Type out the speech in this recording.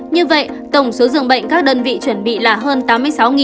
như vậy tổng số dường bệnh các đơn vị chuẩn bị là hơn tám mươi sáu dường bệnh